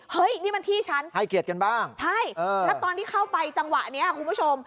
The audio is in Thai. เฮ้ยนี่มันที่ฉันใช่แล้วตอนที่เข้าไปจังหวะนี้คุณผู้ชม